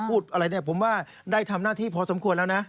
พูดอะไรเนี่ยผมว่าได้ทำหน้าที่พอสมควรแล้วนะ